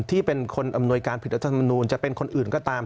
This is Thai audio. ที่เป็นคนอำนวยการผิดรัฐธรรมนูลจะเป็นคนอื่นก็ตาม